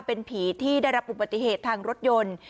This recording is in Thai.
เป็นผีที่ได้รับอุบัติเหตุทางรถยนต์